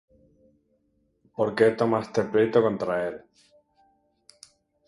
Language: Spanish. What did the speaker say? ¿Por qué tomaste pleito contra él?